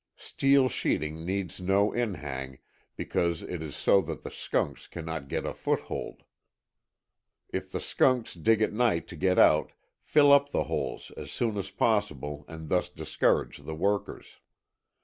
Steel sheeting needs no inhang, because it is so that the skunks cannot get a foothold. If the skunks dig at night to get out fill up the holes as soon as possible and thus discourage the workers.